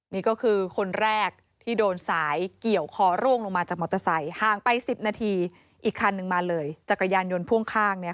นี่ก็คือคนแรกที่โดนสายเกี่ยวคอร่วงลงมาจากมอเตอร์ไซค์ห่างไป๑๐นาทีอีกคันนึงมาเลยจักรยานยนต์พ่วงข้าง